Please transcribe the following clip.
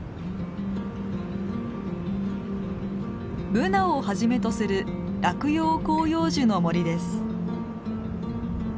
ブナをはじめとする落葉広葉樹の森です。